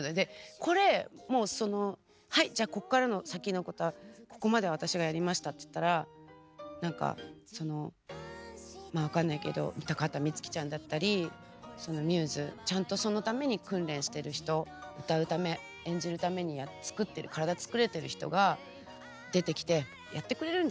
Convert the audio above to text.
これもうそのはいじゃあここから先のことはここまで私がやりましたって言ったら何かまあ分かんないけど高畑充希ちゃんだったりそのミューズちゃんとそのために訓練してる人歌うため演じるために体を作れてる人が出てきてやってくれるんじゃん。